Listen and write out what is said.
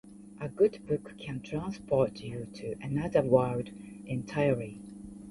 A good book can transport you to another world entirely.